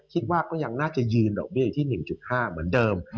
คิดว่าก็ยังน่าจะยืนดอกเบี้ยอยู่ที่๑๕เหมือนเดิม